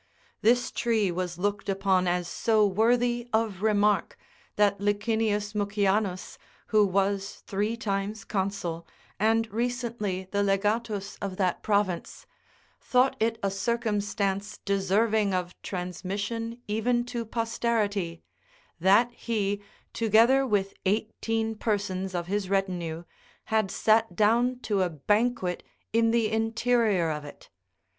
This tree was looked upon as so worthy of remark, that Licinius Mucianus, who was three times consul, and re cently the legatus of that province, thought it a circumstance deserving of transmission even to posterity, that he, together with eighteen persons of his retinue, had sat down to a banquet in the interior of it.